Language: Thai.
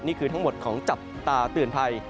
นี่คือทั้งหมดของจับตาเตือนภัย